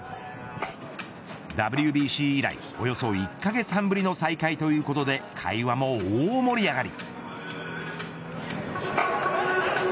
ＷＢＣ以来、およそ１カ月半ぶりの再会ということで会話も大盛り上がり。